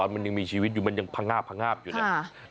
มันยังมีชีวิตอยู่มันยังพังงาบอยู่แหละ